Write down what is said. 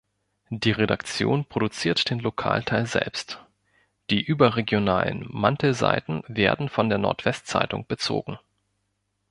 Die Redaktion produziert den Lokalteil selbst, die überregionalen Mantelseiten werden von der Nordwest-Zeitung bezogen.